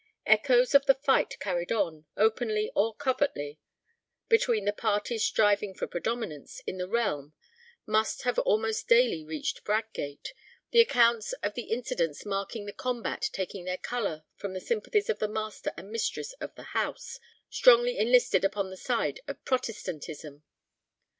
Echoes of the fight carried on, openly or covertly, between the parties striving for predominance in the realm must have almost daily reached Bradgate, the accounts of the incidents marking the combat taking their colour from the sympathies of the master and mistress of the house, strongly enlisted upon the side of Protestantism.